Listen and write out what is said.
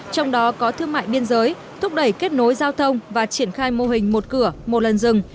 trong đó có thương mại biên giới thúc đẩy kết nối giao thông và triển khai mô hình một cửa một lần rừng